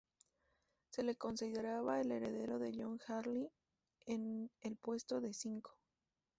Se lo consideraba el heredero de John Harley en el puesto de "cinco".